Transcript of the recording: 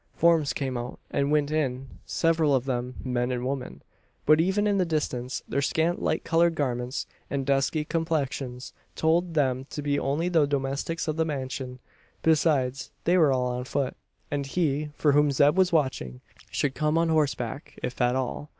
Forms came out, and went in several of them men and women. But even in the distance their scant light coloured garments, and dusky complexions, told them to be only the domestics of the mansion. Besides, they were all on foot; and he, for whom Zeb was watching, should come on horseback if at all.